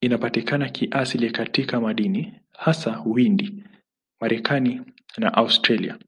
Inapatikana kiasili katika madini, hasa Uhindi, Marekani na Australia.